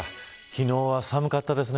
昨日は寒かったですね。